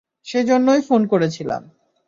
সেজন্যই ফোন করেছিলাম।